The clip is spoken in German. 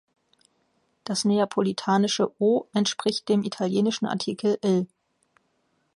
Das neapolitanische "’o" entspricht dem italienischen Artikel "il".